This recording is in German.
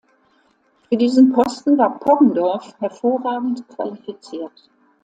Für diesen Posten war Poggendorff hervorragend qualifiziert.